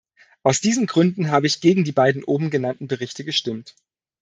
Aus diesen Gründen habe ich gegen die beiden oben genannten Berichte gestimmt.